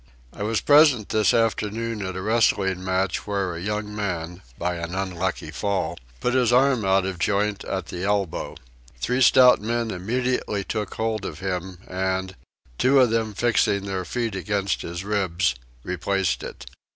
I was present this afternoon at a wrestling match where a young man, by an unlucky fall, put his arm out of joint at the elbow: three stout men immediately took hold of him and, two of them fixing their feet against his ribs, replaced it.